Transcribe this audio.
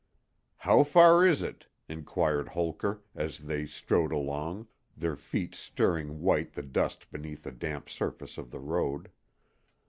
"How far is it?" inquired Holker, as they strode along, their feet stirring white the dust beneath the damp surface of the road.